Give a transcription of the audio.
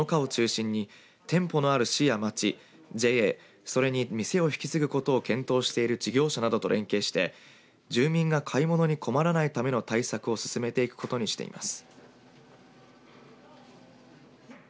県はこの課を中心に店舗のある市や町ＪＡそれに店を引き継ぐことを検討している事業者などと連携して住民が買い物に困らないための対策を進めていくことにしています。